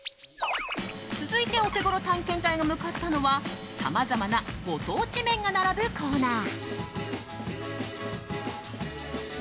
続いて、オテゴロ探検隊が向かったのはさまざまなご当地麺が並ぶコーナー。